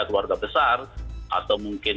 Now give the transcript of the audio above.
keluarga besar atau mungkin